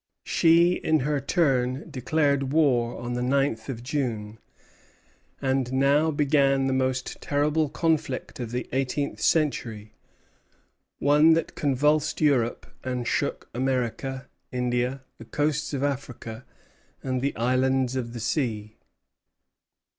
She in her turn declared war on the ninth of June: and now began the most terrible conflict of the eighteenth century; one that convulsed Europe and shook America, India, the coasts of Africa, and the islands of the sea.